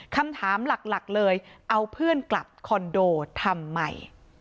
คำถามหลักเลยเอาเพื่อนกลับคอนโดทำไม